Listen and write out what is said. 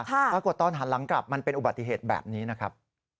ปรากฏตอนหันหลังกลับมันเป็นอุบัติเหตุแบบนี้นะครับ